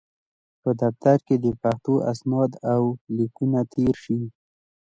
په دفترونو کې دې پښتو اسناد او لیکونه تېر شي.